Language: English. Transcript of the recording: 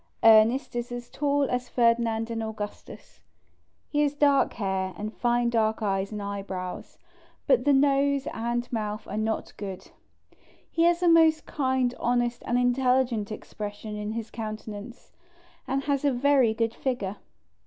Ernest is as tall as Ferdinand and Augustus ; he has dark hair, and fine dark eyes and eyebrows, but the nose and mouth are not good ; he has a most kind, honest and intelligent expression in his countenance, and has a very good figure.